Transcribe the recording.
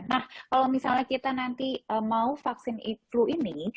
nah kalau misalnya kita nanti mau vaksin flu ini